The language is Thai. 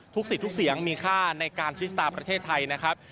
สิทธิ์ทุกเสียงมีค่าในการชิสตาร์ประเทศไทยนะครับ